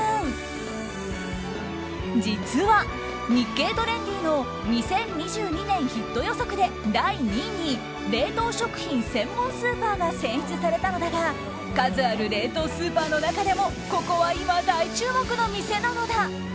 実は「日経トレンディ」の２０２２年ヒット予想で第２位に冷凍食品専門スーパーが選出されたのだが数ある冷凍スーパーの中でもここは今、大注目の店なのだ。